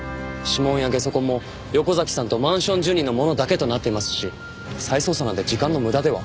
指紋やゲソ痕も横崎さんとマンション住人のものだけとなっていますし再捜査なんて時間の無駄では？